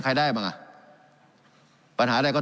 การปรับปรุงทางพื้นฐานสนามบิน